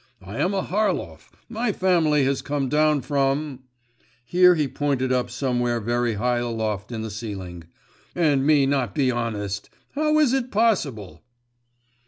I am a Harlov, my family has come down from' here he pointed up somewhere very high aloft in the ceiling 'and me not be honest! How is it possible?